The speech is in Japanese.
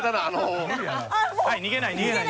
逃げない逃げない。